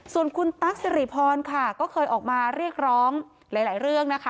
ส่วนคุณตั๊กสิริพรค่ะก็เคยออกมาเรียกร้องหลายเรื่องนะคะ